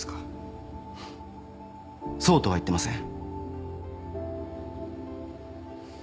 そうとは言ってません。